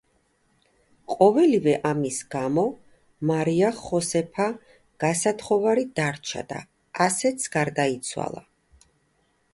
ყოველივე ამის გამო, მარია ხოსეფა გასათხოვარი დარჩა და ასეც გარდაიცვალა.